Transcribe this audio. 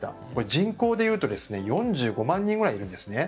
人口でいうと４５万人ぐらいいるんです。